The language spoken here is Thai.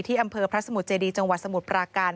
อำเภอพระสมุทรเจดีจังหวัดสมุทรปราการ